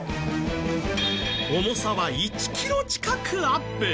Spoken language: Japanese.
重さは１キロ近くアップ！